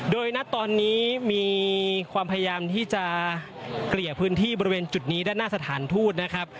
โดยณตอนนี้มีความพยายามที่จะเกลี่ยพื้นที่บริเวณจุดนี้ด้านหน้าสถานทูตนะครับ